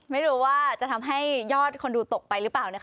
ไม่รู้ว่าจะทำให้ยอดคนดูตกไปหรือเปล่านะคะ